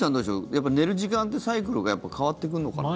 やっぱり寝る時間ってサイクルが変わってくるのかな。